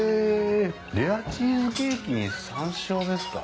レアチーズケーキに山椒ですか。